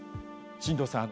進藤さん